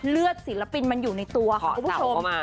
เลือดศิลปินมันอยู่ในตัวค่ะคุณผู้ชมขอเตาเข้ามา